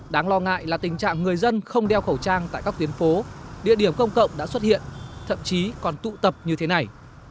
đáng lo ngại là tình trạng người dân không đeo khẩu trang tại các tuyến phố địa điểm công cộng đã xuất hiện thậm chí còn tụ tập như thế này